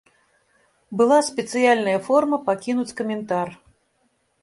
Была спецыяльная форма пакінуць каментар.